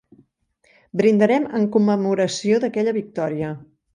Brindaren en commemoració d'aquella victòria.